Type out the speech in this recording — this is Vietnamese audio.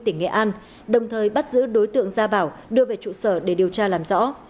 tỉnh nghệ an đồng thời bắt giữ đối tượng gia bảo đưa về trụ sở để điều tra làm rõ